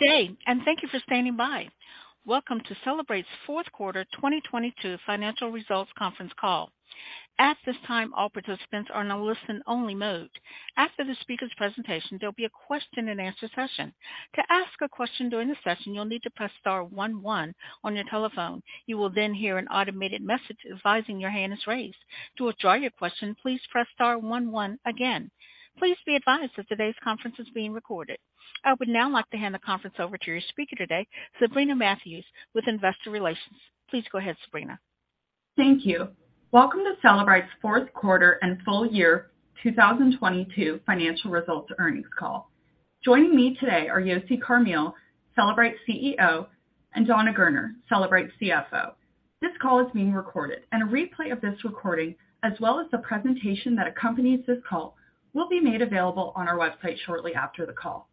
Today, thank you for standing by. Welcome to Cellebrite's fourth quarter, 2022 financial results conference call. At this time, all participants are in a listen-only mode. After the speaker's presentation, there'll be a question-and-answer session. To ask a question during the session, you'll need to press star one one on your telephone. You will hear an automated message advising your hand is raised. To withdraw your question, please press star one one again. Please be advised that today's conference is being recorded. I would now like to hand the conference over to your speaker today, Sabrina Mathews with Investor Relations. Please go ahead, Sabrina. Thank you. Welcome to Cellebrite's fourth quarter and full-year 2022 financial results earnings call. Joining me today are Yossi Carmil, Cellebrite CEO, and Dana Gerner, Cellebrite CFO. This call is being recorded. A replay of this recording, as well as the presentation that accompanies this call, will be made available on our website shortly after the call.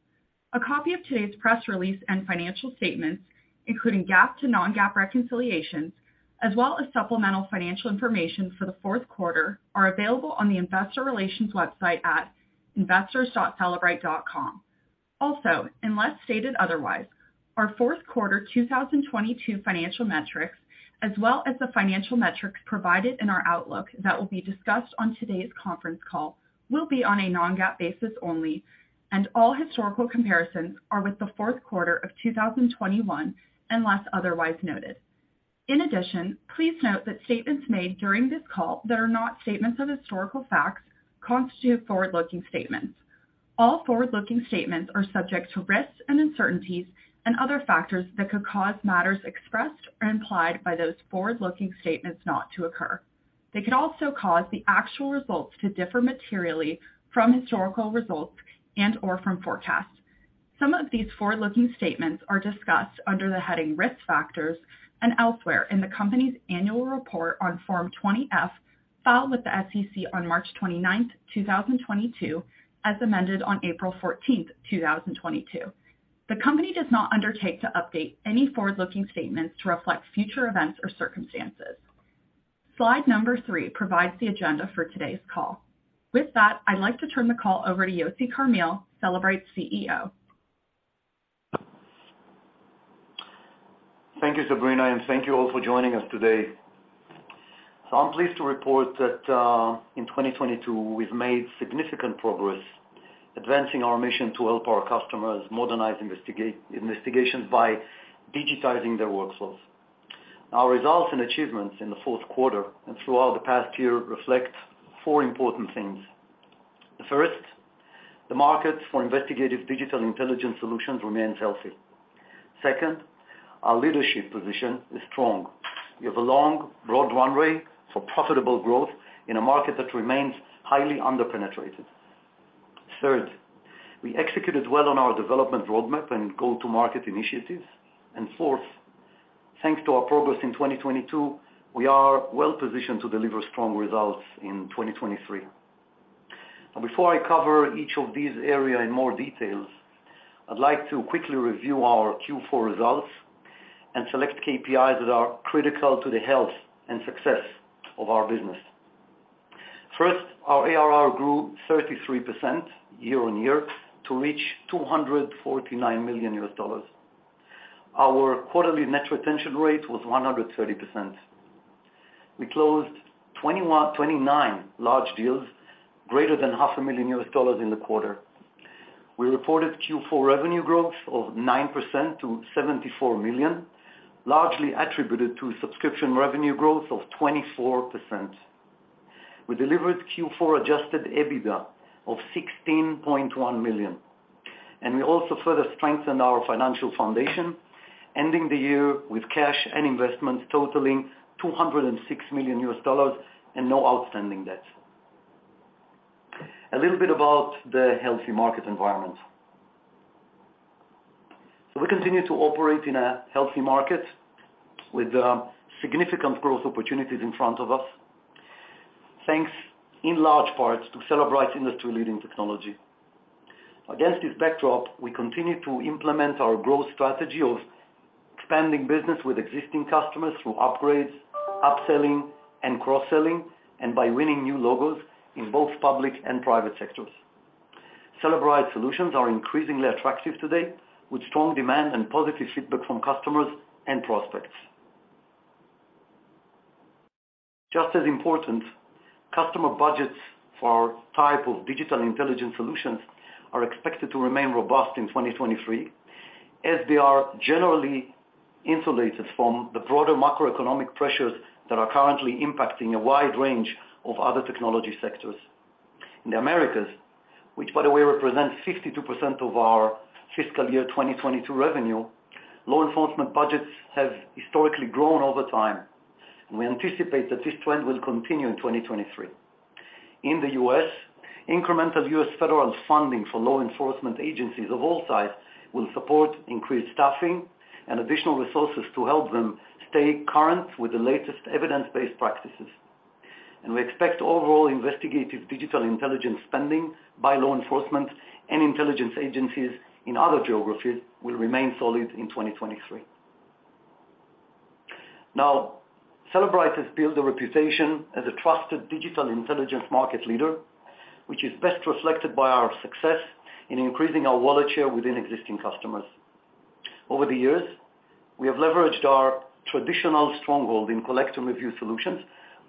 A copy of today's press release and financial statements, including GAAP to non-GAAP reconciliations, as well as supplemental financial information for the fourth quarter, are available on the investor relations website at investors.cellebrite.com. Also, unless stated otherwise, our fourth quarter 2022 financial metrics as well as the financial metrics provided in our outlook that will be discussed on today's conference call will be on a non-GAAP basis only, and all historical comparisons are with the fourth quarter of 2021, unless otherwise noted. In addition, please note that statements made during this call that are not statements of historical facts constitute forward-looking statements. All forward-looking statements are subject to risks and uncertainties and other factors that could cause matters expressed or implied by those forward-looking statements not to occur. They could also cause the actual results to differ materially from historical results and/or from forecasts. Some of these forward-looking statements are discussed under the heading Risk Factors and elsewhere in the company's annual report on Form 20-F, filed with the SEC on March 29, 2022, as amended on April 14, 2022. The company does not undertake to update any forward-looking statements to reflect future events or circumstances. Slide number three provides the agenda for today's call. With that, I'd like to turn the call over to Yossi Carmil, Cellebrite's CEO. Thank you, Sabrina, and thank you all for joining us today. I'm pleased to report that in 2022, we've made significant progress advancing our mission to help our customers modernize investigations by digitizing their workflows. Our results and achievements in the fourth quarter and throughout the past year reflect four important things. The first, the markets for investigative digital intelligence solutions remains healthy. Second, our leadership position is strong. We have a long, broad runway for profitable growth in a market that remains highly under-penetrated. Third, we executed well on our development roadmap and go-to-market initiatives. Fourth, thanks to our progress in 2022, we are well positioned to deliver strong results in 2023. Before I cover each of these areas in more details, I'd like to quickly review our Q4 results and select KPIs that are critical to the health and success of our business. Our ARR grew 33% year-over-year to reach $249 million. Our quarterly net retention rate was 130%. We closed 29 large deals greater than half a million US dollars in the quarter. We reported Q4 revenue growth of 9% to $74 million, largely attributed to subscription revenue growth of 24%. We delivered Q4 adjusted EBITDA of $16.1 million. We also further strengthened our financial foundation, ending the year with cash and investments totaling $206 million and no outstanding debt. A little bit about the healthy market environment. We continue to operate in a healthy market with significant growth opportunities in front of us, thanks in large part to Cellebrite industry-leading technology. Against this backdrop, we continue to implement our growth strategy of expanding business with existing customers through upgrades, upselling and cross-selling, and by winning new logos in both public and private sectors. Cellebrite solutions are increasingly attractive today, with strong demand and positive feedback from customers and prospects. Just as important, customer budgets for our type of digital intelligence solutions are expected to remain robust in 2023, as they are generally insulated from the broader macroeconomic pressures that are currently impacting a wide range of other technology sectors. In the Americas, which by the way represents 52% of our fiscal year 2022 revenue, law enforcement budgets have historically grown over time, and we anticipate that this trend will continue in 2023. In the U.S., incremental U.S. federal funding for law enforcement agencies of all size will support increased staffing and additional resources to help them stay current with the latest evidence-based practices. We expect overall investigative Digital Intelligence spending by law enforcement and intelligence agencies in other geographies will remain solid in 2023. Cellebrite has built a reputation as a trusted Digital Intelligence market leader, which is best reflected by our success in increasing our wallet share within existing customers. Over the years, we have leveraged our traditional stronghold in Collect & Review solutions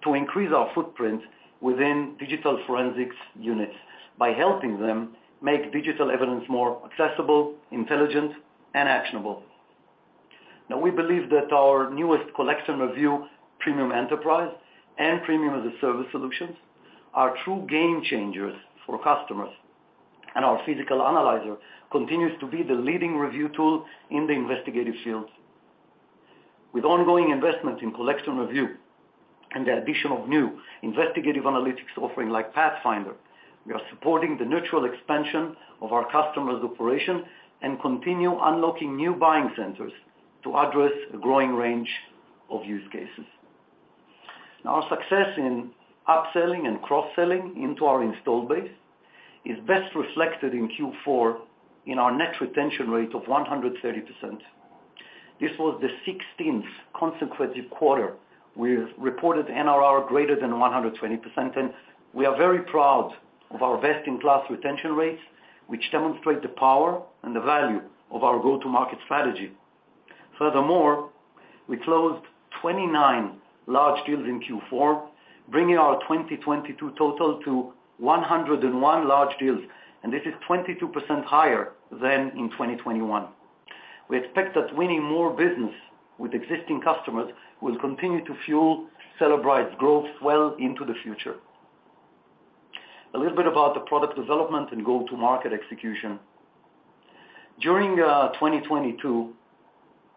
to increase our footprint within Digital Forensic Units by helping them make digital evidence more accessible, intelligent, and actionable. We believe that our newest Collection & Review, Premium Enterprise, and Premium as-a-Service solutions are true game changers for customers, and our Physical Analyzer continues to be the leading review tool in the investigative fields. With ongoing investment in Collection & Review and the addition of new investigative analytics offering like Pathfinder, we are supporting the natural expansion of our customers' operation and continue unlocking new buying centers to address a growing range of use cases. Our success in upselling and cross-selling into our installed base is best reflected in Q4 in our net retention rate of 130%. This was the sixteenth consecutive quarter with reported NRR greater than 120%, and we are very proud of our best-in-class retention rates, which demonstrate the power and the value of our go-to-market strategy. Furthermore, we closed 29 large deals in Q4, bringing our 2022 total to 101 large deals. This is 22% higher than in 2021. We expect that winning more business with existing customers will continue to fuel Cellebrite's growth well into the future. A little bit about the product development and go-to-market execution. During 2022,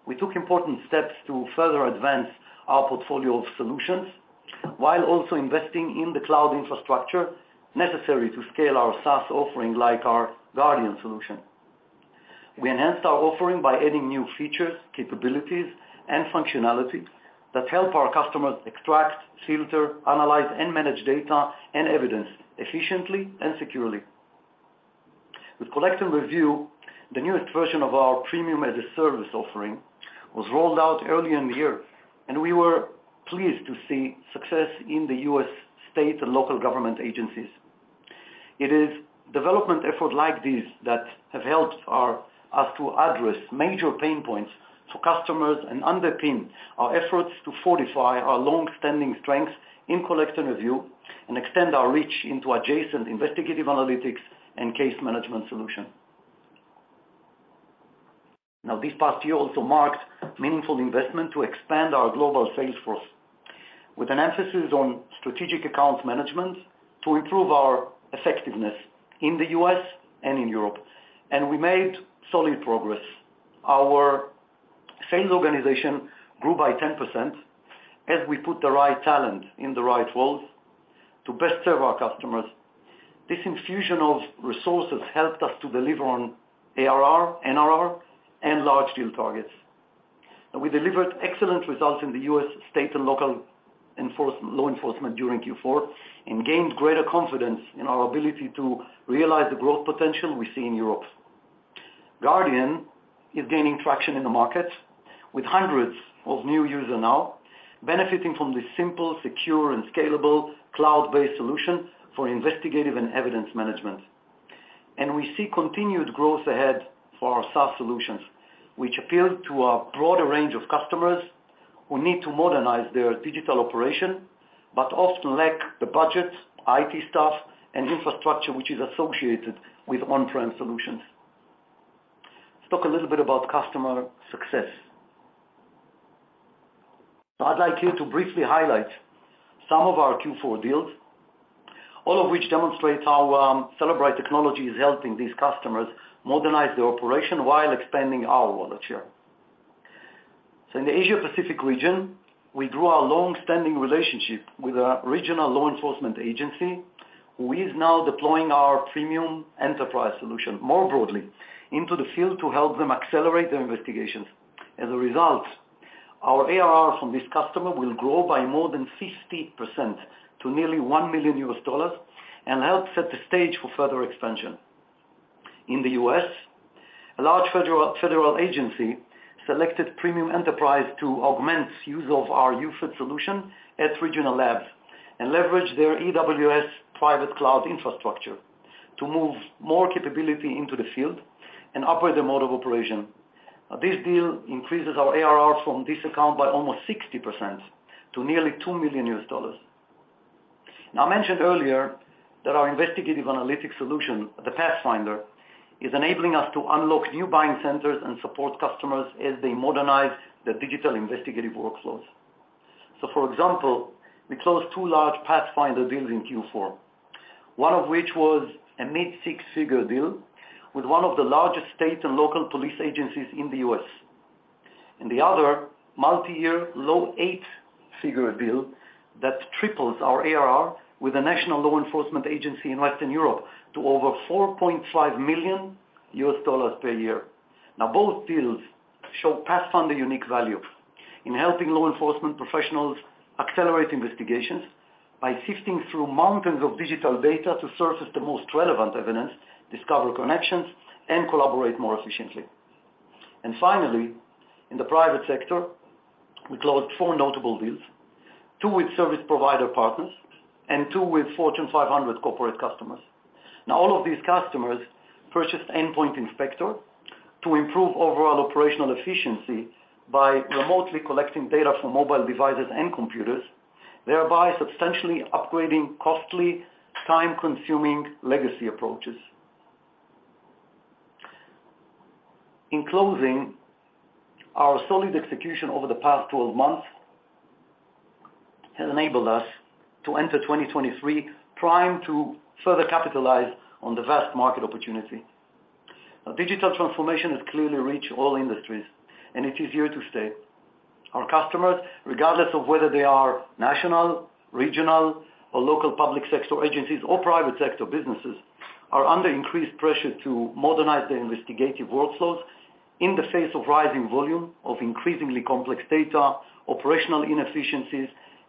we took important steps to further advance our portfolio of solutions while also investing in the cloud infrastructure necessary to scale our SaaS offering like our Guardian solution. We enhanced our offering by adding new features, capabilities, and functionality that help our customers extract, filter, analyze, and manage data and evidence efficiently and securely. With Collect & Review, the newest version of our Premium as-a-Service offering was rolled out early in the year, and we were pleased to see success in the U.S. state and local government agencies. It is development effort like this that have helped us to address major pain points for customers and underpin our efforts to fortify our long-standing strength in Collect & Review and extend our reach into adjacent investigative analytics and case management solution. This past year also marked meaningful investment to expand our global sales force with an emphasis on strategic accounts management to improve our effectiveness in the U.S. and in Europe. We made solid progress. Our sales organization grew by 10% as we put the right talent in the right roles to best serve our customers. This infusion of resources helped us to deliver on ARR, NRR, and large deal targets. We delivered excellent results in the U.S. state and local law enforcement during Q4 and gained greater confidence in our ability to realize the growth potential we see in Europe. Guardian is gaining traction in the market with hundreds of new user now benefiting from this simple, secure, and scalable cloud-based solution for investigative and evidence management. We see continued growth ahead for our SaaS solutions, which appeal to a broader range of customers who need to modernize their digital operation, but often lack the budget, IT staff, and infrastructure which is associated with on-prem solutions. Let's talk a little bit about customer success. I'd like here to briefly highlight some of our Q4 deals, all of which demonstrates how Cellebrite technology is helping these customers modernize their operation while expanding our wallet share. In the Asia Pacific region, we grew our long-standing relationship with a regional law enforcement agency who is now deploying our Premium Enterprise solution more broadly into the field to help them accelerate their investigations. As a result, our ARR from this customer will grow by more than 50% to nearly $1 million and help set the stage for further expansion. In the US, a large federal agency selected Premium Enterprise to augment use of our UFED at regional labs and leverage their AWS private cloud infrastructure to move more capability into the field and operate their mode of operation. This deal increases our ARR from this account by almost 60% to nearly $2 million. I mentioned earlier that our investigative analytics solution, the Pathfinder, is enabling us to unlock new buying centers and support customers as they modernize their digital investigative workflows. For example, we closed two large Pathfinder deals in Q4. One of which was a mid six-figure deal with one of the largest state and local police agencies in the U.S. The other multi-year low eight-figure deal that triples our ARR with a national law enforcement agency in Western Europe to over $4.5 million per year. Both deals show Pathfinder unique value in helping law enforcement professionals accelerate investigations by sifting through mountains of digital data to surface the most relevant evidence, discover connections, and collaborate more efficiently. Finally, in the private sector, we closed four notable deals, two with service provider partners and two with Fortune 500 corporate customers. All of these customers purchased Endpoint Inspector to improve overall operational efficiency by remotely collecting data from mobile devices and computers, thereby substantially upgrading costly, time-consuming legacy approaches. In closing, our solid execution over the past 12 months has enabled us to enter 2023 primed to further capitalize on the vast market opportunity. Digital transformation has clearly reached all industries, and it is here to stay. Our customers, regardless of whether they are national, regional, or local public sector agencies or private sector businesses, are under increased pressure to modernize their investigative workflows in the face of rising volume of increasingly complex data, operational inefficiencies,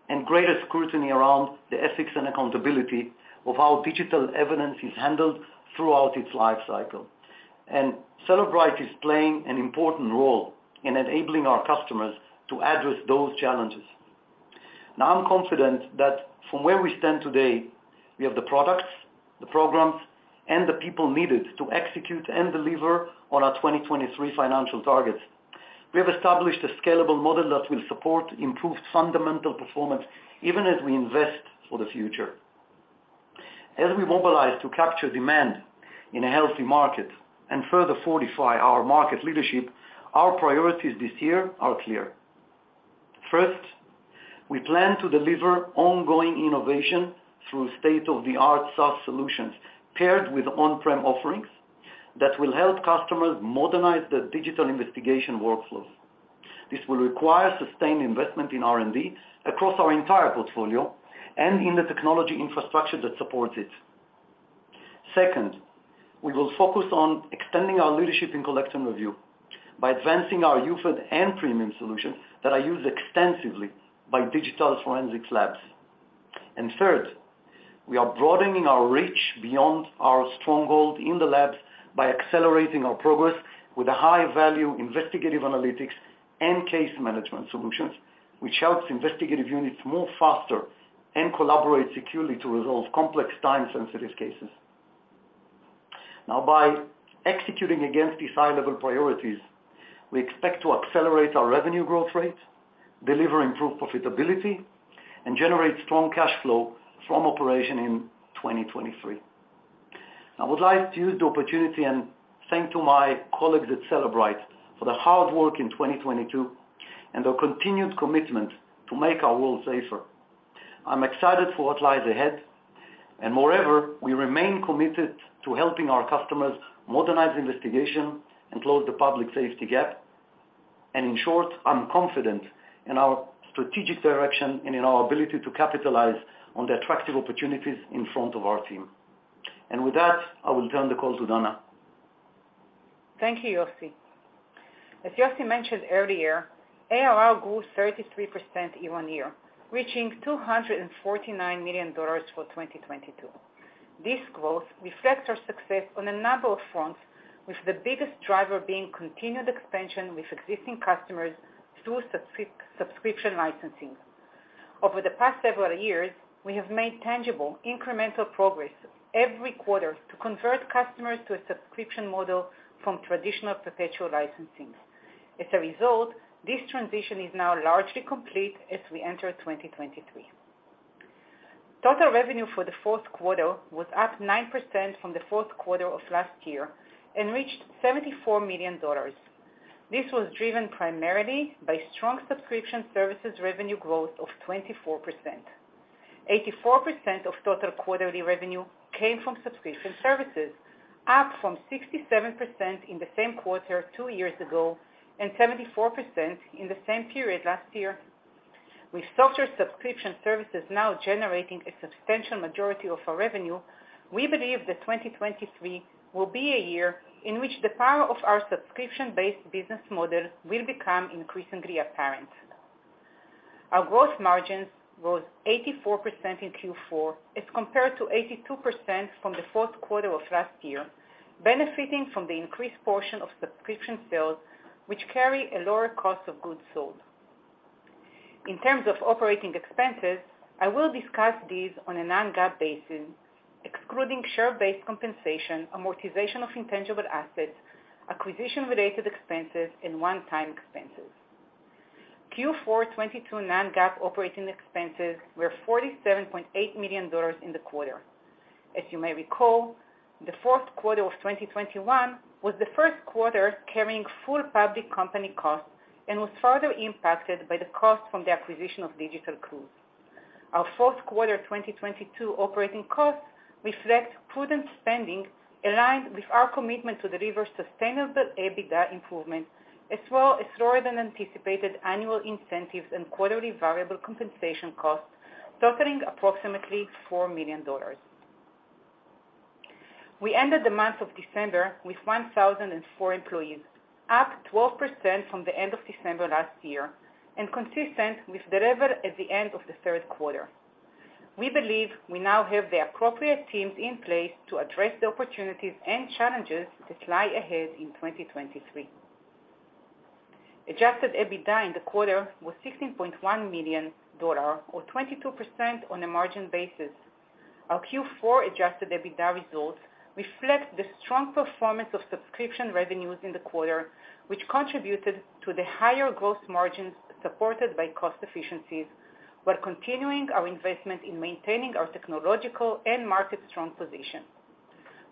and greater scrutiny around the ethics and accountability of how digital evidence is handled throughout its life cycle. Cellebrite is playing an important role in enabling our customers to address those challenges. I'm confident that from where we stand today, we have the products, the programs, and the people needed to execute and deliver on our 2023 financial targets. We have established a scalable model that will support improved fundamental performance even as we invest for the future. We mobilize to capture demand in a healthy market and further fortify our market leadership, our priorities this year are clear. First, we plan to deliver ongoing innovation through state-of-the-art SaaS solutions paired with on-prem offerings that will help customers modernize their digital investigation workflows. This will require sustained investment in R&D across our entire portfolio and in the technology infrastructure that supports it. Second, we will focus on extending our leadership in Collect & Review by advancing our UFED and Premium solutions that are used extensively by digital forensics labs. Third, we are broadening our reach beyond our stronghold in the labs by accelerating our progress with a high-value investigative analytics and case management solutions, which helps investigative units move faster and collaborate securely to resolve complex time-sensitive cases. Now, by executing against these high-level priorities, we expect to accelerate our revenue growth rate, deliver improved profitability, and generate strong cash flow from operation in 2023. I would like to use the opportunity and thank to my colleagues at Cellebrite for their hard work in 2022 and their continued commitment to make our world safer. I'm excited for what lies ahead. Moreover, we remain committed to helping our customers modernize investigation and close the public safety gap. In short, I'm confident in our strategic direction and in our ability to capitalize on the attractive opportunities in front of our team. With that, I will turn the call to Dana. Thank you, Yossi. As Yossi mentioned earlier, ARR grew 33% year-on-year, reaching $249 million for 2022. This growth reflects our success on a number of fronts, with the biggest driver being continued expansion with existing customers through subscription licensing. Over the past several years, we have made tangible incremental progress every quarter to convert customers to a subscription model from traditional perpetual licensing. This transition is now largely complete as we enter 2023. Total revenue for the fourth quarter was up 9% from the fourth quarter of last year and reached $74 million. This was driven primarily by strong subscription services revenue growth of 24%. 84% of total quarterly revenue came from subscription services, up from 67% in the same quarter two years ago and 74% in the same period last year. With software subscription services now generating a substantial majority of our revenue, we believe that 2023 will be a year in which the power of our subscription-based business model will become increasingly apparent. Our growth margins rose 84% in Q4 as compared to 82% from the fourth quarter of last year, benefiting from the increased portion of subscription sales, which carry a lower cost of goods sold. In terms of operating expenses, I will discuss these on a non-GAAP basis, excluding share-based compensation, amortization of intangible assets, acquisition-related expenses, and one-time expenses. Q4 2022 non-GAAP operating expenses were $47.8 million in the quarter. As you may recall, the fourth quarter of 2021 was the first quarter carrying full public company costs and was further impacted by the cost from the acquisition of Digital Clues. Our fourth quarter 2022 operating costs reflect prudent spending aligned with our commitment to deliver sustainable EBITDA improvement, as well as slower than anticipated annual incentives and quarterly variable compensation costs totaling approximately $4 million. We ended the month of December with 1,004 employees, up 12% from the end of December last year and consistent with the level at the end of the third quarter. We believe we now have the appropriate teams in place to address the opportunities and challenges that lie ahead in 2023. Adjusted EBITDA in the quarter was $16.1 million or 22% on a margin basis. Our Q4 adjusted EBITDA results reflect the strong performance of subscription revenues in the quarter, which contributed to the higher growth margins supported by cost efficiencies, while continuing our investment in maintaining our technological and market strong position.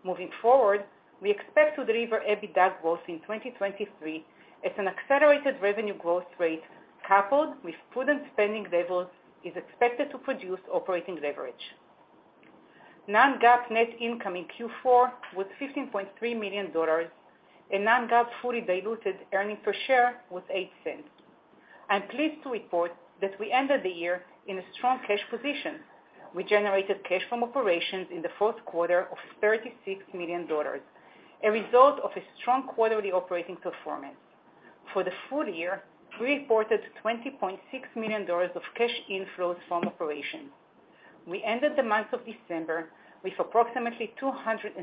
Moving forward, we expect to deliver EBITDA growth in 2023 as an accelerated revenue growth rate coupled with prudent spending levels is expected to produce operating leverage. Non-GAAP net income in Q4 was $15.3 million and non-GAAP fully diluted earnings per share was $0.08. I'm pleased to report that we ended the year in a strong cash position. We generated cash from operations in the fourth quarter of $36 million, a result of a strong quarterly operating performance. For the full-year, we reported $20.6 million of cash inflows from operations. We ended the month of December with approximately $206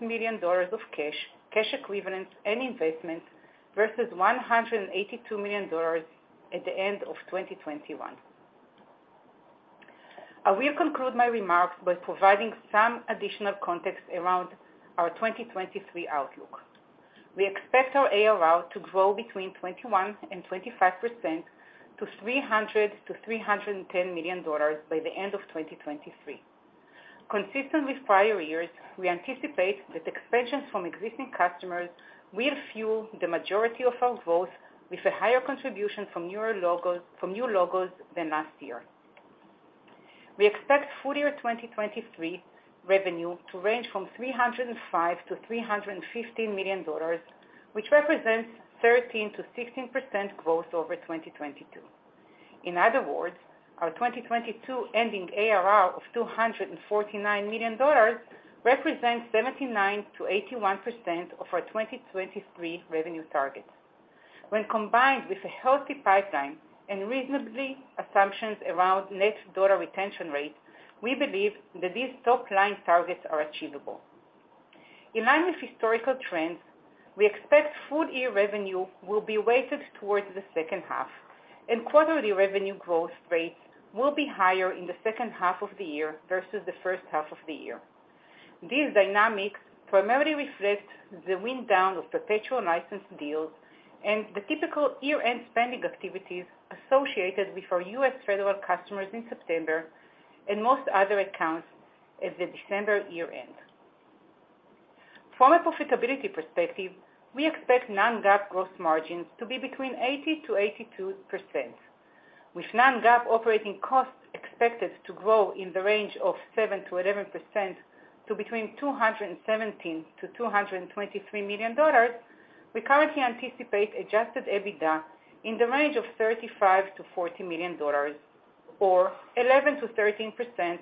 million of cash equivalents, and investments versus $182 million at the end of 2021. I will conclude my remarks by providing some additional context around our 2023 outlook. We expect our ARR to grow between 21% and 25% to $300-310 million by the end of 2023. Consistent with prior years, we anticipate that expansions from existing customers will fuel the majority of our growth with a higher contribution from new logos than last year. We expect full-year 2023 revenue to range from $305-315 million, which represents 13%-16% growth over 2022. In other words, our 2022 ending ARR of $249 million represents 79%-81% of our 2023 revenue targets. When combined with a healthy pipeline and reasonably assumptions around net dollar retention rate, we believe that these top-line targets are achievable. In line with historical trends, we expect full-year revenue will be weighted towards the second half, and quarterly revenue growth rates will be higher in the second half of the year versus the first half of the year. These dynamics primarily reflect the wind down of perpetual license deals and the typical year-end spending activities associated with our U.S. federal customers in September and most other accounts at the December year-end. From a profitability perspective, we expect non-GAAP gross margins to be between 80%-82%. With non-GAAP operating costs expected to grow in the range of 7%-11% to between $217-223 million, we currently anticipate adjusted EBITDA in the range of $35-40 million or 11%-13%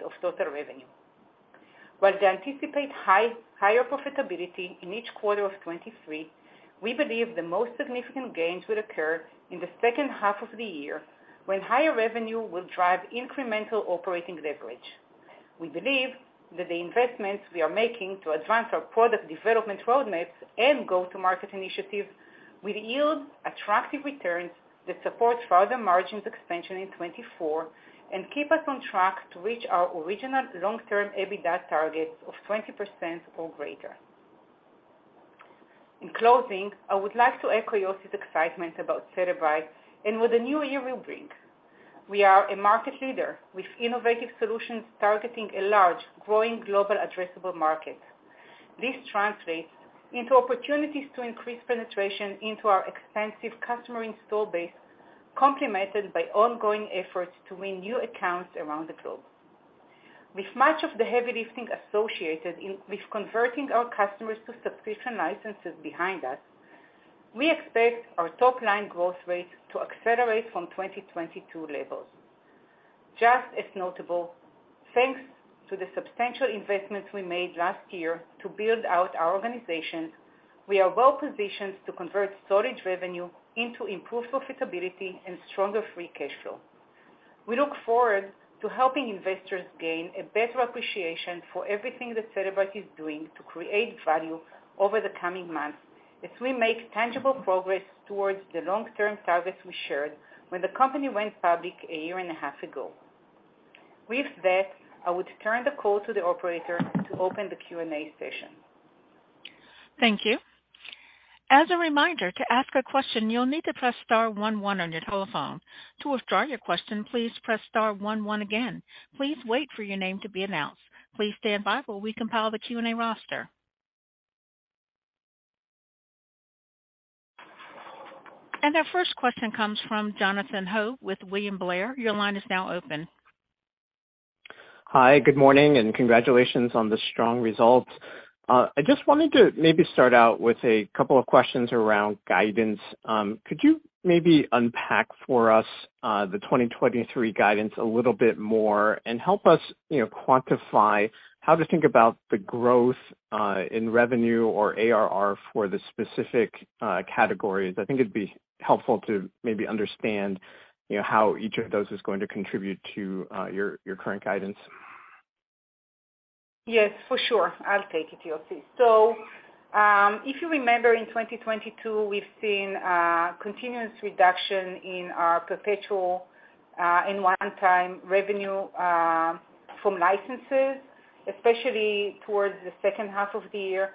of total revenue. While we anticipate higher profitability in each quarter of 2023, we believe the most significant gains will occur in the second half of the year when higher revenue will drive incremental operating leverage. We believe that the investments we are making to advance our product development roadmap and go-to-market initiatives will yield attractive returns that support further margins expansion in 2024 and keep us on track to reach our original long-term EBITDA targets of 20% or greater. In closing, I would like to echo Yossi's excitement about Cellebrite and what the new year will bring. We are a market leader with innovative solutions targeting a large, growing global addressable market. This translates into opportunities to increase penetration into our expansive customer install base, complemented by ongoing efforts to win new accounts around the globe. With much of the heavy lifting associated with converting our customers to subscription licenses behind us, we expect our top-line growth rate to accelerate from 2022 levels. Just as notable, thanks to the substantial investments we made last year to build out our organization, we are well-positioned to convert storage revenue into improved profitability and stronger free cash flow. We look forward to helping investors gain a better appreciation for everything that Cellebrite is doing to create value over the coming months as we make tangible progress towards the long-term targets we shared when the company went public a year and a half ago. With that, I would turn the call to the operator to open the Q&A session. Thank you. As a reminder, to ask a question, you'll need to press star one one on your telephone. To withdraw your question, please press star one one again. Please wait for your name to be announced. Please stand by while we compile the Q&A roster. Our first question comes from Jonathan Ho with William Blair. Your line is now open. Hi, good morning and congratulations on the strong results. I just wanted to maybe start out with a couple of questions around guidance. Could you maybe unpack for us the 2023 guidance a little bit more and help us, you know, quantify how to think about the growth in revenue or ARR for the specific categories? I think it'd be helpful to maybe understand, you know, how each of those is going to contribute to your current guidance. Yes, for sure. I'll take it, Yossi. If you remember in 2022, we've seen continuous reduction in our perpetual and one time revenue from licenses, especially towards the second half of the year.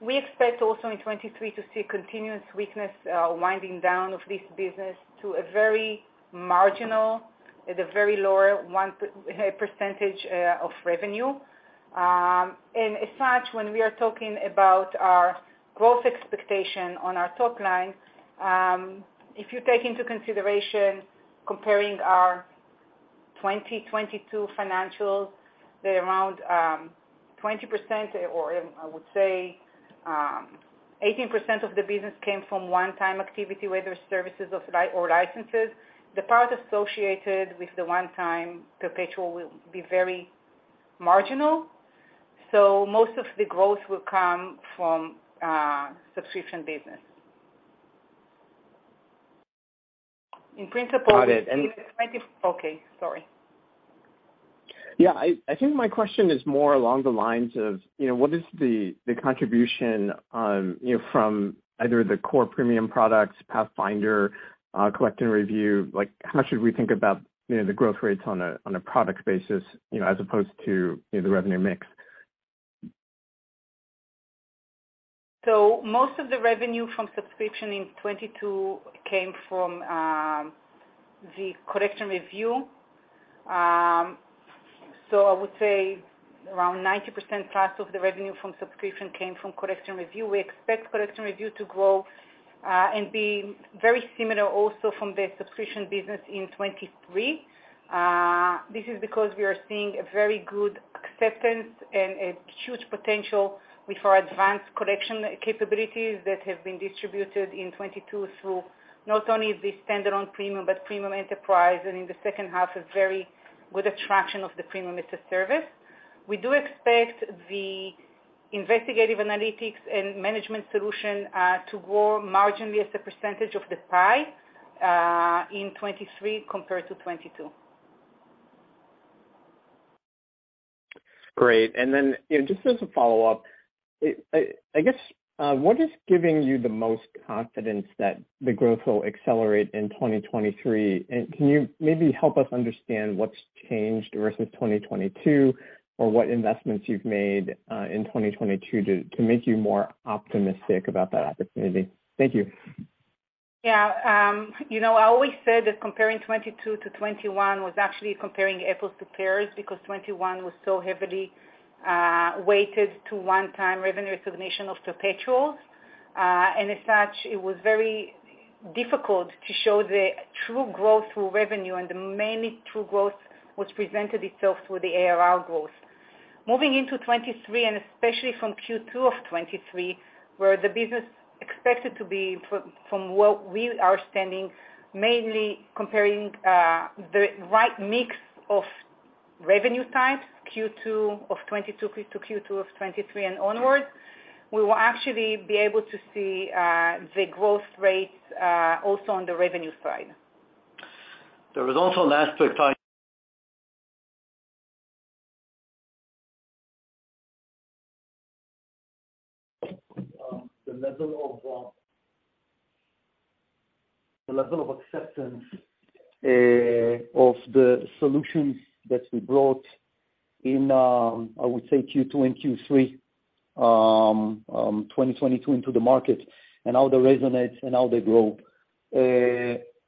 We expect also in 2023 to see continuous weakness, winding down of this business to a very marginal, at a very lower 1% of revenue. As such, when we are talking about our growth expectation on our top line, if you take into consideration comparing our 2022 financials, they're around 20% or, I would say, 18% of the business came from one time activity, whether services or licenses. The part associated with the one time perpetual will be very marginal, most of the growth will come from subscription business. In principle- Got it. Okay, sorry. Yeah. I think my question is more along the lines of, you know, what is the contribution, you know, from either the core Premium products, Pathfinder, Collection & Review, like how should we think about, you know, the growth rates on a, on a product basis, you know, as opposed to, you know, the revenue mix? Most of the revenue from subscription in 2022 came from the Collection & Review. I would say around 90%+ of the revenue from subscription came from Collection & Review. We expect Collection & Review to grow and be very similar also from the subscription business in 2023. This is because we are seeing a very good acceptance and a huge potential with our advanced Collection capabilities that have been distributed in 2022 through not only the standalone Premium but Premium Enterprise, and in the second half, a very good attraction of the Premium as-a-Service. We do expect the investigative analytics and management solution to grow marginally as a percentage of the pie in 2023 compared to 2022. Great. You know, just as a follow-up, what is giving you the most confidence that the growth will accelerate in 2023? Can you maybe help us understand what's changed versus 2022 or what investments you've made in 2022 to make you more optimistic about that opportunity? Thank you. Yeah, you know, I always said that comparing 2022 to 2021 was actually comparing apples to pears because 2021 was so heavily weighted to one time revenue recognition of perpetuals. As such, it was very difficult to show the true growth through revenue, and the mainly true growth which presented itself through the ARR growth. Moving into 2023, and especially from Q2 of 2023, where the business expected to be from what we are standing, mainly comparing the right mix of revenue types, Q2 of 2022 to Q2 of 2023 and onwards, we will actually be able to see the growth rates also on the revenue side. There was also last quick time, the level of the level of acceptance of the solutions that we brought in, I would say Q2 and Q3, 2022 into the market and how they resonate and how they grow.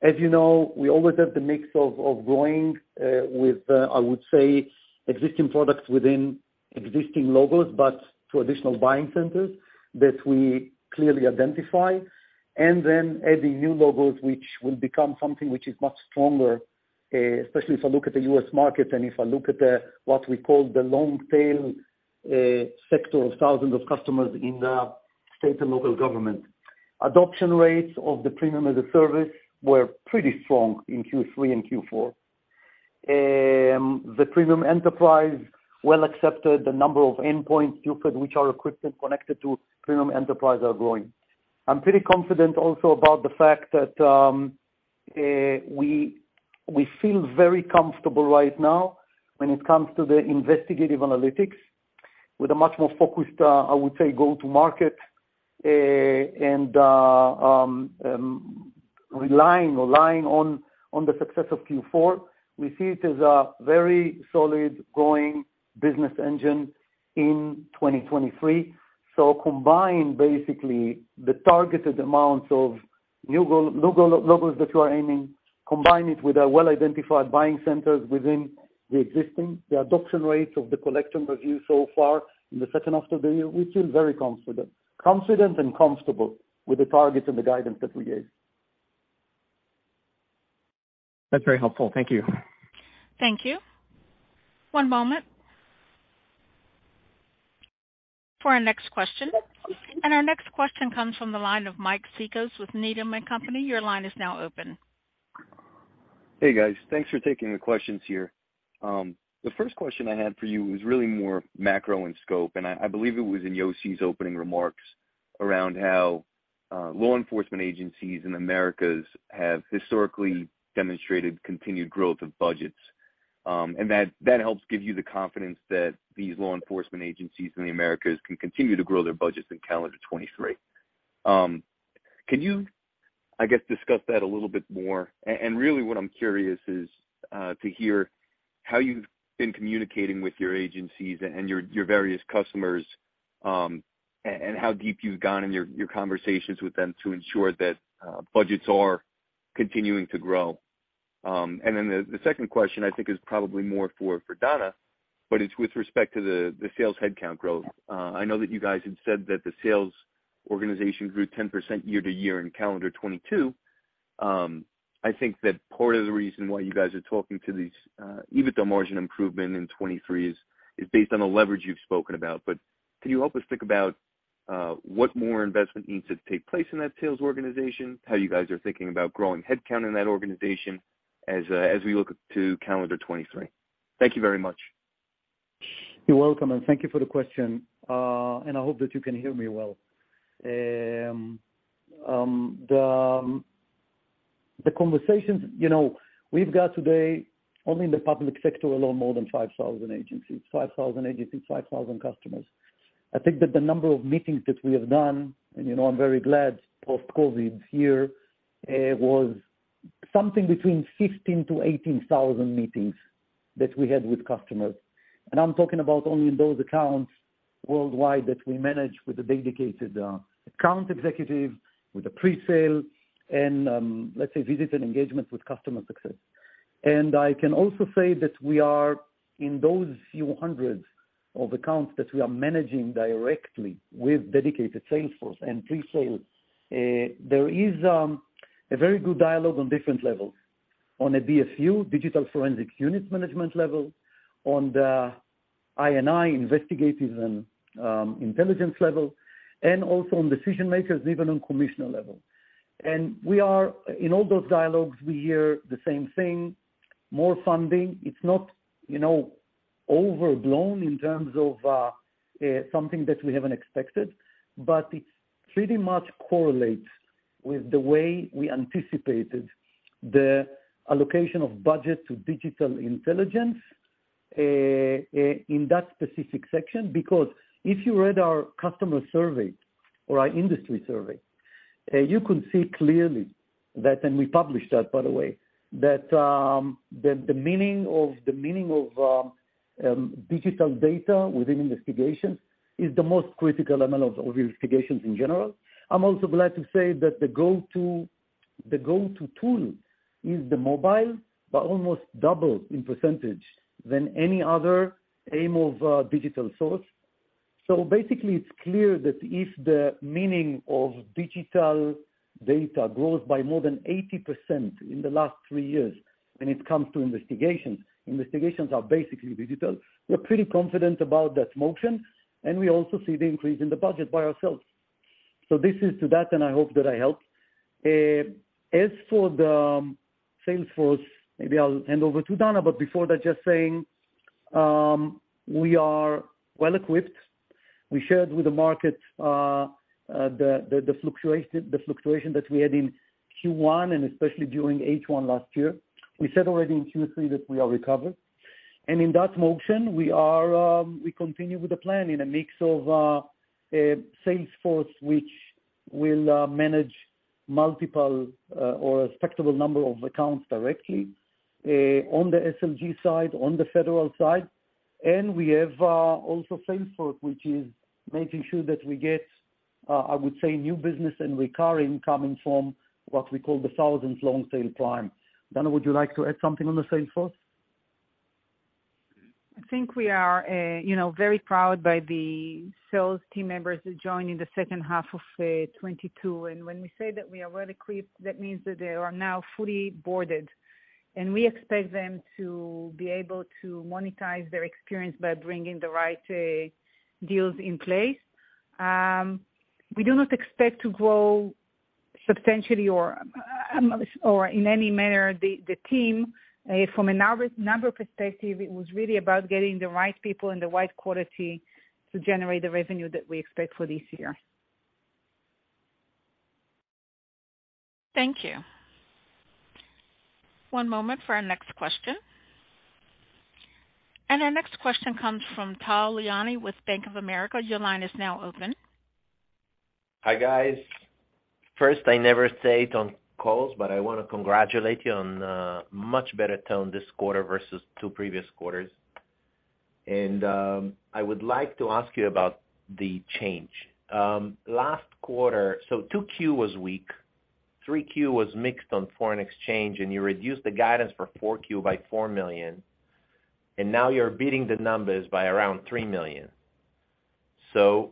As you know, we always have the mix of growing with, I would say existing products within existing logos, but to additional buying centers that we clearly identify, and then adding new logos, which will become something which is much stronger, especially if I look at the U.S. market and if I look at the what we call the long tail, sector of thousands of customers in the state and local government. Adoption rates of the Premium as-a-Service were pretty strong in Q3 and Q4. The Premium Enterprise well accepted the number of endpoints through which our equipment connected to Premium Enterprise are growing. I'm pretty confident also about the fact that we feel very comfortable right now when it comes to the investigative analytics with a much more focused, I would say go to market, and relying or lying on the success of Q4. We see it as a very solid growing business engine in 2023. Combine basically the targeted amounts of new logos that you are aiming, combine it with our well-identified buying centers within the existing, the adoption rates of the Collection Review so far in the second half of the year, we feel very confident. Confident and comfortable with the targets and the guidance that we gave. That's very helpful. Thank you. Thank you. One moment. For our next question, and our next question comes from the line of Mike Cikos with Needham & Company. Your line is now open. Hey, guys. Thanks for taking the questions here. The first question I had for you was really more macro in scope, and I believe it was in Yossi's opening remarks around how law enforcement agencies in Americas have historically demonstrated continued growth of budgets. That helps give you the confidence that these law enforcement agencies in the Americas can continue to grow their budgets in calendar 2023. Can you, I guess, discuss that a little bit more? And really what I'm curious is to hear how you've been communicating with your agencies and your various customers, and how deep you've gone in your conversations with them to ensure that budgets are continuing to grow. The second question I think is probably more for Dana Gerner, but it's with respect to the sales headcount growth. I know that you guys have said that the sales organization grew 10% year-to-year in calendar 2022. I think that part of the reason why you guys are talking to these EBITDA margin improvement in 2023 is based on the leverage you've spoken about. Can you help us think about what more investment needs to take place in that sales organization? How you guys are thinking about growing headcount in that organization as we look to calendar 2023? Thank you very much. You're welcome. Thank you for the question. I hope that you can hear me well. The conversations, you know, we've got today only in the public sector alone, more than 5,000 agencies. 5,000 agencies, 5,000 customers. I think that the number of meetings that we have done, and, you know, I'm very glad post-COVID here, was something between 15,000-18,000 meetings that we had with customers. I'm talking about only in those accounts worldwide that we manage with a dedicated account executive with a pre-sale and, let's say, visit and engagement with customer success. I can also say that we are in those few hundreds of accounts that we are managing directly with dedicated sales force and pre-sales. There is a very good dialogue on different levels. On a DFU, Digital Forensic Unit management level, on the INI, investigative and intelligence level, and also on decision makers, even on commissioner level. In all those dialogues, we hear the same thing, more funding. It's not, you know, overblown in terms of something that we haven't expected, but it pretty much correlates with the way we anticipated the allocation of budget to Digital Intelligence in that specific section. If you read our customer survey or our industry survey, you can see clearly that, and we published that, by the way, that the meaning of digital data within investigations is the most critical element of investigations in general. I'm also glad to say that the go-to tool is the mobile, by almost double in % than any other aim of digital source. Basically it's clear that if the meaning of digital data grows by more than 80% in the last three years when it comes to investigations are basically digital. We're pretty confident about that motion, we also see the increase in the budget by ourselves. This is to that, I hope that I helped. As for the sales force, maybe I'll hand over to Dana, before that, just saying, we are well equipped. We shared with the market the fluctuation that we had in Q1 and especially during H1 last year. We said already in Q3 that we are recovered. In that motion we are, we continue with the plan in a mix of a sales force which will manage multiple or a respectable number of accounts directly on the SLG side, on the federal side. We have also sales force, which is making sure that we get I would say new business and recurring coming from what we call the thousands long tail clients. Dana, would you like to add something on the sales force? I think we are, you know, very proud by the sales team members who joined in the second half of 2022. When we say that we are well equipped, that means that they are now fully boarded, and we expect them to be able to monetize their experience by bringing the right deals in place. We do not expect to grow substantially or in any manner the team, from a number perspective, it was really about getting the right people and the right quality to generate the revenue that we expect for this year. Thank you. One moment for our next question. Our next question comes from Tal Liani with Bank of America. Your line is now open. Hi, guys. First, I never say it on calls, but I wanna congratulate you on much better tone this quarter versus two previous quarters. I would like to ask you about the change. Last quarter, 2Q was weak, 3Q was mixed on foreign exchange. You reduced the guidance for 4Q by $4 million. Now you're beating the numbers by around $3 million.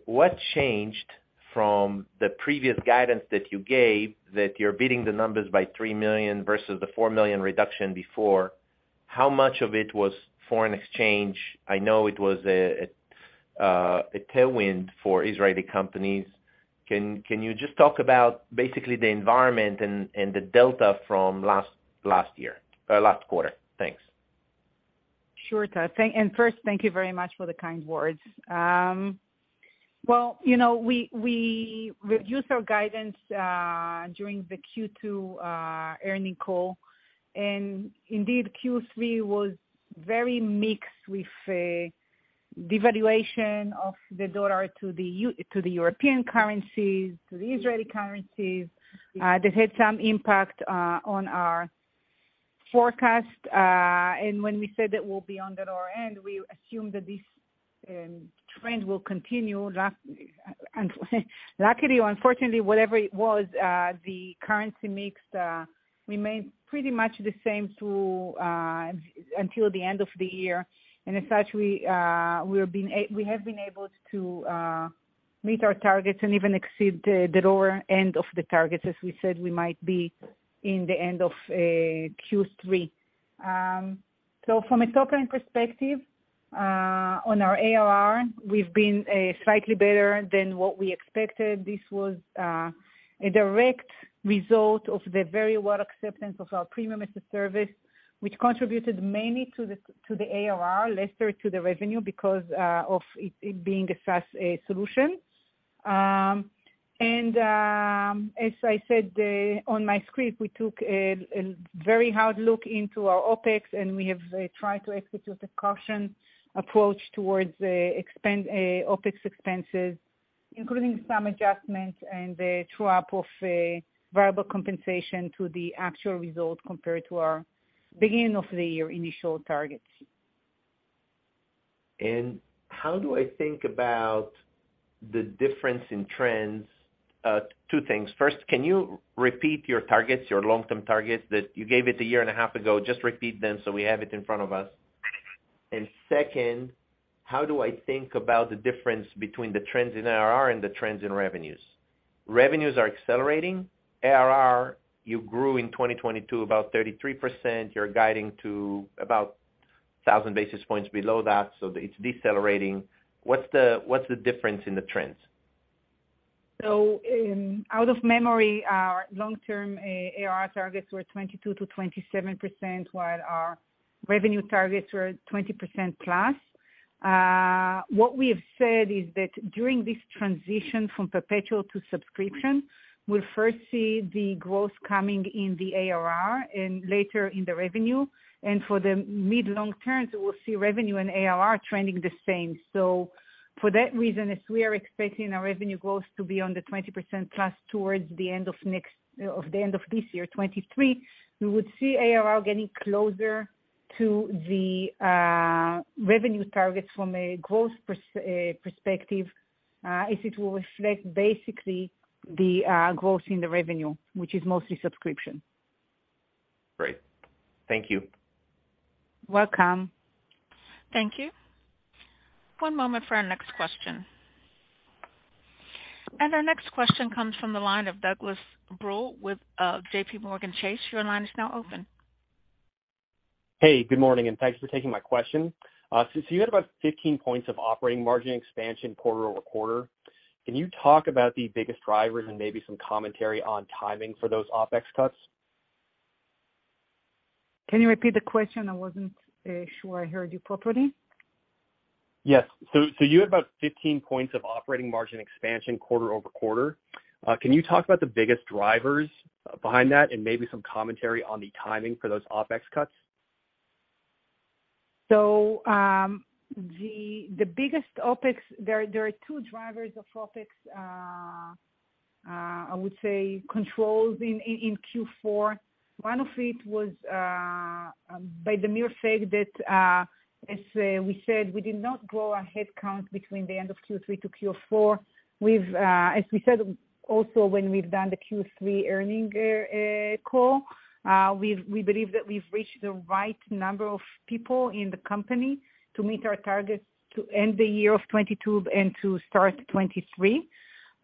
What changed from the previous guidance that you gave that you're beating the numbers by $3 million versus the $4 million reduction before? How much of it was foreign exchange? I know it was a tailwind for Israeli companies. Can you just talk about basically the environment and the delta from last year, or last quarter? Thanks. Sure, Tal. First, thank you very much for the kind words. Well, you know, we reduced our guidance during the Q2 earning call, and indeed, Q3 was very mixed with devaluation of the dollar to the European currencies, to the Israeli currencies. That had some impact on our forecast, and when we said that we'll be on the lower end, we assume that this trend will continue. Luckily or unfortunately, whatever it was, the currency mix remained pretty much the same through until the end of the year. As such, we have been able to meet our targets and even exceed the lower end of the targets, as we said we might be in the end of Q3. From a top-line perspective, on our ARR, we've been slightly better than what we expected. This was a direct result of the very well acceptance of our Premium as-a-Service, which contributed mainly to the ARR, lesser to the revenue because of it being a SaaS solution. As I said on my script, we took a very hard look into our OpEx, and we have tried to execute a caution approach towards OpEx expenses, including some adjustments and the true-up of variable compensation to the actual result compared to our beginning of the year initial targets. How do I think about the difference in trends? Two things. First, can you repeat your targets, your long-term targets that you gave it a year and a half ago, just repeat them so we have it in front of us. Second, how do I think about the difference between the trends in ARR and the trends in revenues? Revenues are accelerating. ARR, you grew in 2022 about 33%. You're guiding to about 1,000 basis points below that, so it's decelerating. What's the difference in the trends? Out of memory, our long-term ARR targets were 22%-27%, while our revenue targets were 20%+. What we have said is that during this transition from perpetual to subscription, we'll first see the growth coming in the ARR and later in the revenue. For the mid long terms, we'll see revenue and ARR trending the same. For that reason, as we are expecting our revenue growth to be on the 20%+ towards the end of next, of the end of this year, 2023, we would see ARR getting closer to the revenue targets from a growth perspective, as it will reflect basically the growth in the revenue, which is mostly subscription. Great. Thank you. Welcome. Thank you. One moment for our next question. Our next question comes from the line of Douglas Bruehl with JPMorgan Chase. Your line is now open. Hey, good morning, and thanks for taking my question. You had about 15 points of operating margin expansion quarter-over-quarter. Can you talk about the biggest drivers and maybe some commentary on timing for those OpEx cuts? Can you repeat the question? I wasn't sure I heard you properly. Yes. You had about 15 points of operating margin expansion quarter-over-quarter. Can you talk about the biggest drivers behind that and maybe some commentary on the timing for those OpEx cuts? The biggest OpEx. There are two drivers of OpEx, I would say controls in Q4. One of it was by the mere fact that as we said, we did not grow our headcount between the end of Q3 to Q4. As we said, also, when we've done the Q3 earning call, we believe that we've reached the right number of people in the company to meet our targets to end the year of 2022 and to start 2023.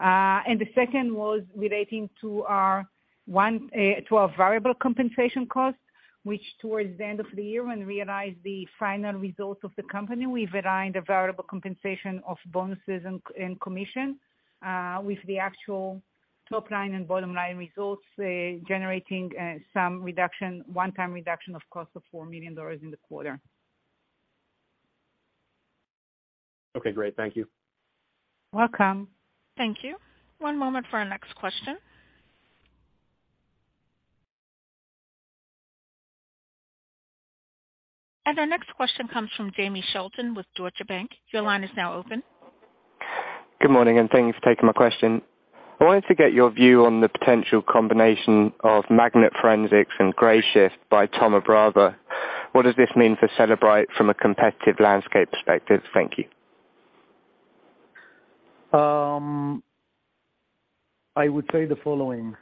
The second was relating to our variable compensation cost, which towards the end of the year, when we realized the final results of the company, we've aligned the variable compensation of bonuses and commission with the actual top line and bottom line results, generating some reduction, one-time reduction of cost of $4 million in the quarter. Okay, great. Thank you. Welcome. Thank you. One moment for our next question. Our next question comes from Jamie Shelton with Deutsche Bank. Your line is now open. Good morning. Thank you for taking my question. I wanted to get your view on the potential combination of Magnet Forensics and Grayshift by Thoma Bravo. What does this mean for Cellebrite from a competitive landscape perspective? Thank you. Um... I would say the following.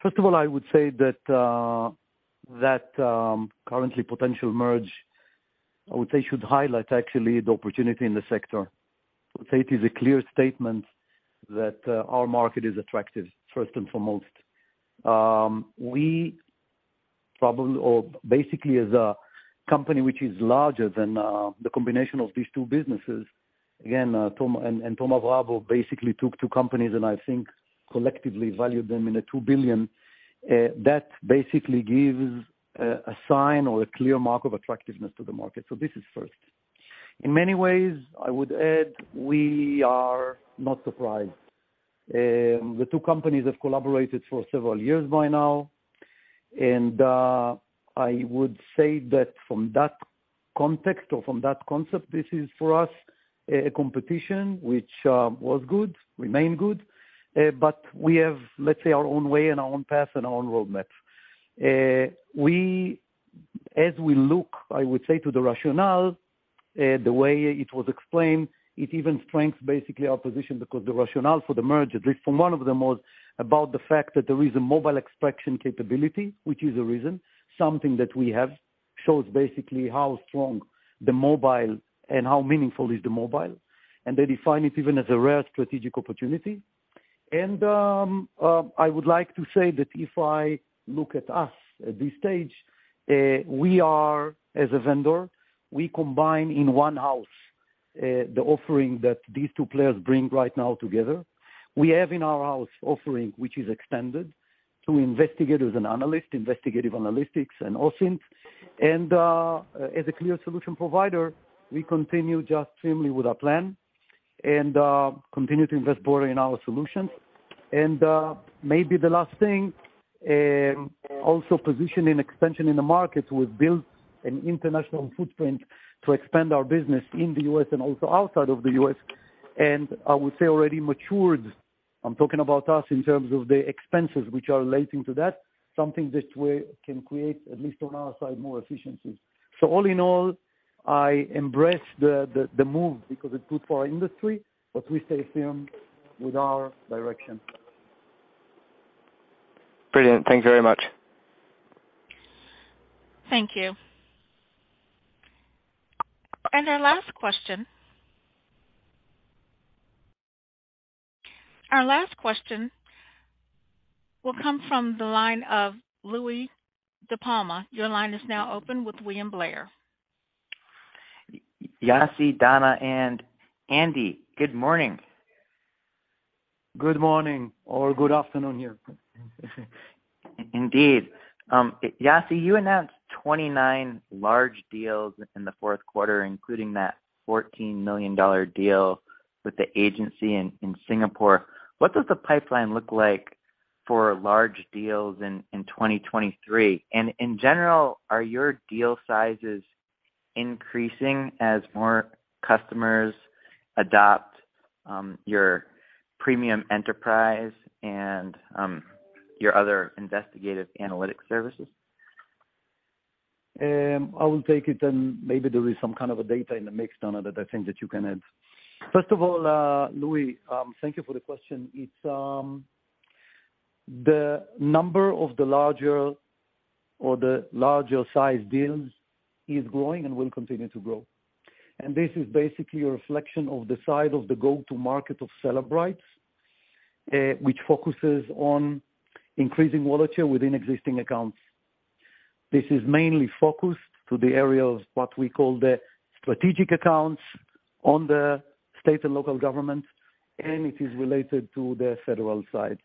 First of all, I would say that currently potential merger, I would say should highlight actually the opportunity in the sector. I would say it is a clear statement that our market is attractive first and foremost. We probably or basically as a company which is larger than the combination of these two businesses, again, Thoma Bravo basically took two companies and I think collectively valued them in a $2 billion. That basically gives a sign or a clear mark of attractiveness to the market. This is first. In many ways, I would add we are not surprised. The two companies have collaborated for several years by now. I would say that from that context or from that concept, this is for us, a competition which was good, remained good. We have, let's say, our own way and our own path and our own roadmap. As we look, I would say to the rationale, the way it was explained, it even strengths basically our position because the rationale for the merger, at least from one of them, was about the fact that there is a mobile extraction capability, which is a reason, something that we have, shows basically how strong the mobile and how meaningful is the mobile. They define it even as a rare strategic opportunity. I would like to say that if I look at us at this stage, we are as a vendor, we combine in one house, the offering that these two players bring right now together. We have in our house offering which is extended to investigators and analysts, investigative analytics and OSINT. As a clear solution provider, we continue just extremely with our plan and continue to invest more in our solutions. Maybe the last thing, also position and expansion in the market was build an international footprint to expand our business in the U.S. and also outside of the U.S., and I would say already matured. I'm talking about us in terms of the expenses which are relating to that, something that we can create, at least on our side, more efficiencies. All in all, I embrace the move because it's good for our industry, but we stay firm with our direction. Brilliant. Thank you very much. Thank you. Our last question. Our last question will come from the line of Louie DiPalma. Your line is now open with William Blair. Yossi, Dana, and Andy, good morning. Good morning or good afternoon here. Indeed. Yossi, you announced 29 large deals in the fourth quarter, including that $14 million deal with the agency in Singapore. What does the pipeline look like for large deals in 2023? In general, are your deal sizes increasing as more customers adopt, your Premium Enterprise and, your other investigative analytics services? I will take it, and maybe there is some kind of a data in the mix, Dana, that I think that you can add. First of all, Louis, thank you for the question. It's the number of the larger or the larger size deals is growing and will continue to grow. This is basically a reflection of the size of the go-to market of Cellebrite, which focuses on increasing wallet share within existing accounts. This is mainly focused to the area of what we call the strategic accounts on the state and local government, and it is related to the federal side.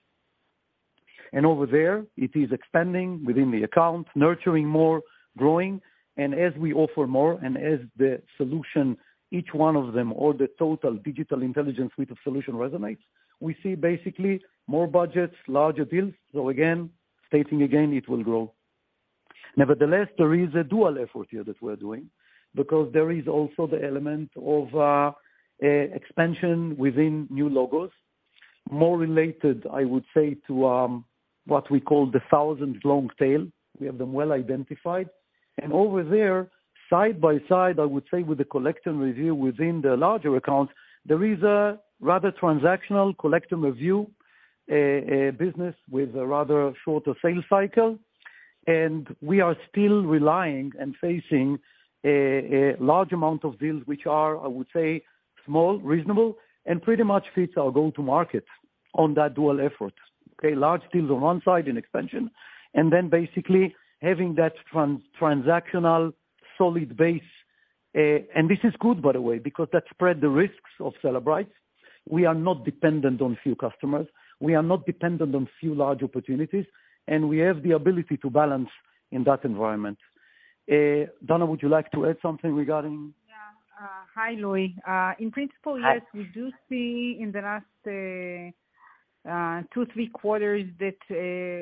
Over there, it is expanding within the account, nurturing more, growing. As we offer more, and as the solution, each one of them or the total Digital Intelligence suite of solution resonates, we see basically more budgets, larger deals. Again, stating again, it will grow. Nevertheless, there is a dual effort here that we're doing because there is also the element of expansion within new logos. More related, I would say, to what we call the thousands long tail. We have them well identified. Over there, side by side, I would say with the Collection & Review within the larger accounts, there is a rather transactional Collection & Review business with a rather shorter sales cycle. We are still relying and facing a large amount of deals which are, I would say, small, reasonable, and pretty much fits our go-to market on that dual effort. Okay. Large deals on one side in expansion, then basically having that transactional solid base. This is good by the way, because that spread the risks of Cellebrite. We are not dependent on few customers. We are not dependent on few large opportunities. We have the ability to balance in that environment. Dana, would you like to add something regarding? Yeah. Hi, Louie. In principle. Hi. Yes, we do see in the last, two, three quarters that,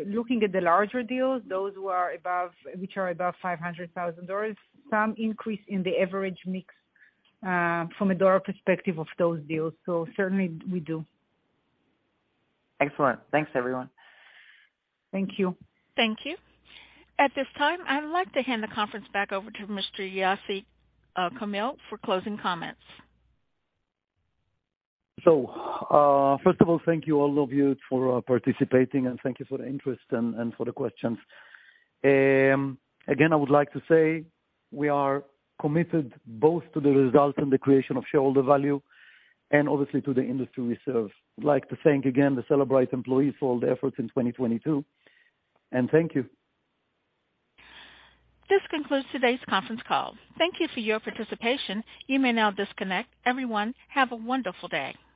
looking at the larger deals, those who are above, which are above $500,000, some increase in the average mix, from a dollar perspective of those deals. Certainly we do. Excellent. Thanks, everyone. Thank you. Thank you. At this time, I would like to hand the conference back over to Mr. Yossi Carmil for closing comments. First of all, thank you all of you for participating, and thank you for the interest and for the questions. Again, I would like to say we are committed both to the results and the creation of shareholder value and obviously to the industry we serve. I'd like to thank again the Cellebrite employees for all the efforts in 2022, thank you. This concludes today's conference call. Thank you for your participation. You may now disconnect. Everyone, have a wonderful day.